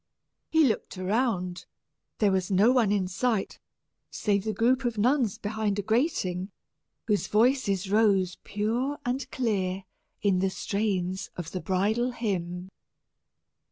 He looked around; there was no one in sight, save the group of nuns behind a grating, whose voices rose pure and clear in the strains of the bridal hymn.